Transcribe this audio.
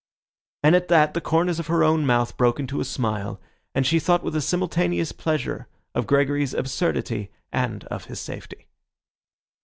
And at that the corners of her own mouth broke into a smile, and she thought with a simultaneous pleasure of Gregory's absurdity and of his safety.